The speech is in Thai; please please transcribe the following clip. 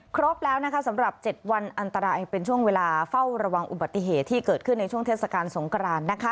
ครบแล้วนะคะสำหรับ๗วันอันตรายเป็นช่วงเวลาเฝ้าระวังอุบัติเหตุที่เกิดขึ้นในช่วงเทศกาลสงกราน